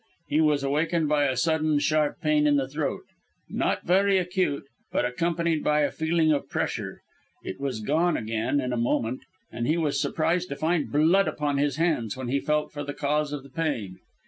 He was awakened by a sudden, sharp pain in the throat; not very acute, but accompanied by a feeling of pressure. It was gone again, in a moment, and he was surprised to find blood upon his hands when he felt for the cause of the pain.